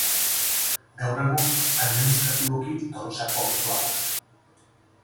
Gaur egun, administratiboki Tolosako auzoa da.